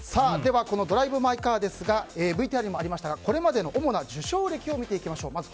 では、「ドライブ・マイ・カー」ＶＴＲにもありましたがこれまでの主な受賞歴を見ていきましょう。